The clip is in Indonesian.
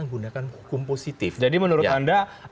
menggunakan hukum positif jadi menurut anda